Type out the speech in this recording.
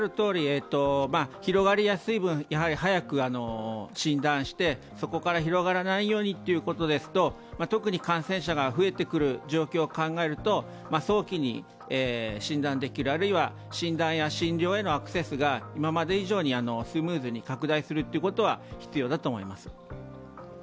広がりやすい分、早く診断して、そこから広がらないようにということですと特に感染者が増えてくる状況を考えると早期に診断できる、あるいは診断や診療へのアクセスが今まで以上にスムーズに拡大するということは必要だと思います。